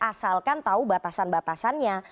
asalkan tahu batasan batasannya